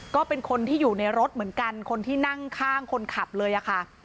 ก็เป็นคนที่อยู่ในรถเหมือนกันคนที่นั่งข้างคนขับเลยค่ะ